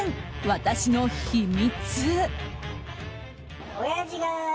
私の秘密。